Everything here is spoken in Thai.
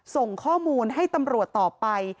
ส่งข้อมูลให้ตำรวจต่อไป